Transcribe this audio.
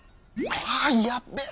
あやっべえ！